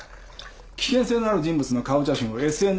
危険性のある人物の顔写真をＳＮＳから入手した。